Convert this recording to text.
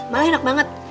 malah enak banget